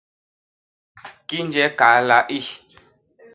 Kinje kahla i !?